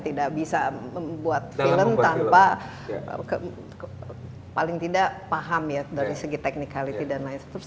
tidak bisa membuat film tanpa paling tidak paham ya dari segi technicality dan lain sebagainya